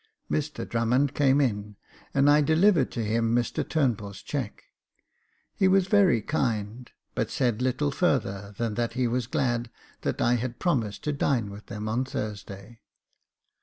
Mr Drummond came in, and I delivered to him Mr Turnbull's cheque. He was very kind, but said little further than that he was glad that I had promised to dine with them on Thursday.